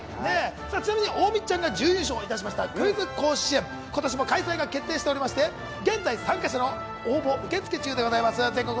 ちなみに大道ちゃんが準優勝したクイズ甲子園、今年も開催が決定しておりまして、現在参加者の応募受付中でございます。